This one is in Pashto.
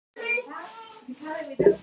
افغانستان له کندز سیند ډک دی.